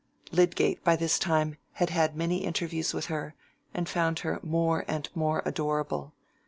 Lydgate by this time had had many interviews with her, and found her more and more adorable.